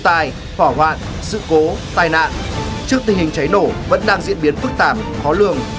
trước tình hình cháy nổ vẫn đang diễn biến phức tạp khó lường